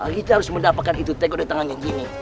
kita harus mendapatkan itu tegok di tengahnya gini